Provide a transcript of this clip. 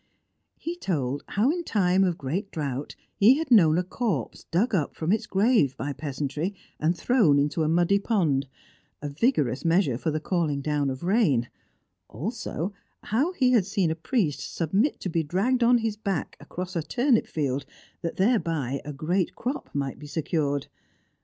He told how, in a time of great drought, he had known a corpse dug up from its grave by peasantry, and thrown into a muddy pond a vigorous measure for the calling down of rain; also, how he had seen a priest submit to be dragged on his back across a turnip field, that thereby a great crop might be secured.